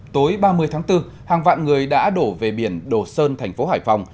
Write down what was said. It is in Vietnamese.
tối ba mươi tháng bốn hàng vạn người đã đổ về biển đồ sơn thành phố hải phòng